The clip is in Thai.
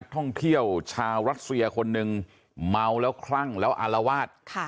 ท่องเที่ยวชาวรัสเซียคนหนึ่งเมาแล้วคลั่งแล้วอารวาส